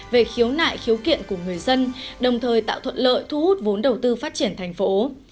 về khiếu nại khiếu kiện của người dân đồng thời tạo thuận lợi thu hút vốn đầu tư phát triển thành phố